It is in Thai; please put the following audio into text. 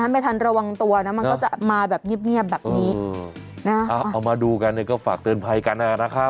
ไม่ทันระวังตัวนะมันก็จะมาแบบเงียบแบบนี้เอามาดูกันเนี่ยก็ฝากเตือนภัยกันนะครับ